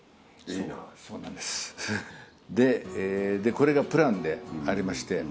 これがプランでありまして。